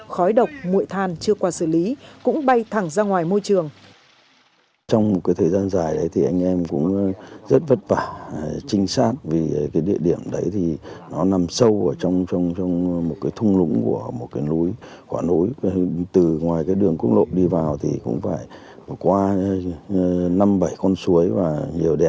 khói độc mụi than chưa qua xử lý cũng bay thẳng ra ngoài môi trường